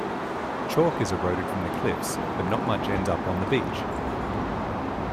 Chalk is eroded from the cliffs, but not much ends up on the beach.